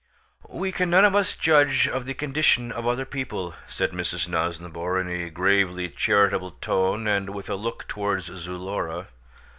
"We can none of us judge of the condition of other people," said Mrs. Nosnibor in a gravely charitable tone and with a look towards Zulora.